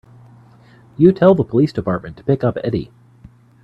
You tell the police department to pick up Eddie.